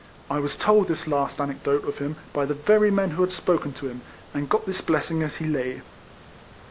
I was told this last anecdote of him by the very men who had spoken to him, and got this blessing as he lay.